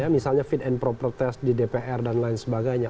misalnya fit and proper test di dpr dan lain sebagainya